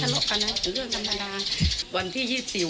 บ้านทะเลาะกันน่ะเรื่องธรรมดา